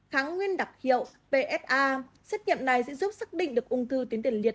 kháng nguyên đặc hiệu xét nghiệm này sẽ giúp xác định được ung thư tuyến tiền liệt